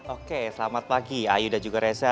oke selamat pagi ayu dan juga reza